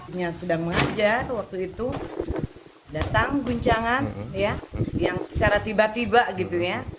yang sedang mengajar waktu itu datang guncangan ya yang secara tiba tiba gitu ya